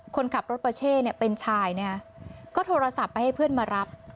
คนขับรถปาเช่เนี่ยเป็นชายนะฮะก็โทรศัพท์ไปให้เพื่อนมารับ